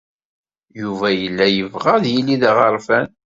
Yuba yella yebɣa ad yili d aɣerfan.